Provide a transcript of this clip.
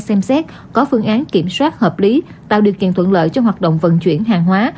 xem xét có phương án kiểm soát hợp lý tạo điều kiện thuận lợi cho hoạt động vận chuyển hàng hóa